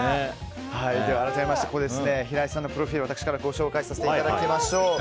改めましてここで平井さんのプロフィールを私からご紹介させていただきましょう。